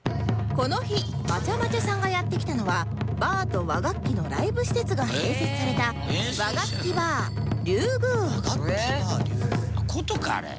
この日まちゃまちゃさんがやって来たのはバーと和楽器のライブ施設が併設された琴かあれ。